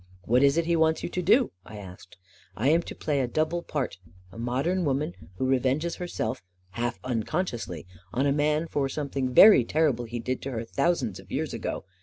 44 What is it he wants you to do? " I asked. 44 1 am to play a double part — a modern woman who revenges herself, half unconsciously, on a man for something very terrible he did to her thousands of years ago.